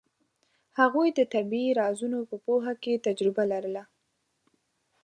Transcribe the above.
هغوی د طبیعي رازونو په پوهه کې تجربه لرله.